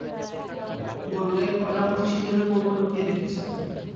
বললে, কয়লার মধ্যে সিঁদুরের কৌটো লুকিয়ে রেখেছে।